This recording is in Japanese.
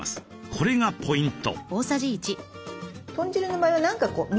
これがポイント。